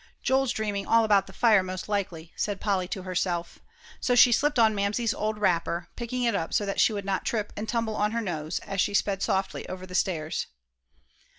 "Joel's dreaming all about the fire, most likely," said Polly to herself. So she slipped on Mamsie's old wrapper, picking it up so that she would not trip and tumble on her nose, as she sped softly over the stairs.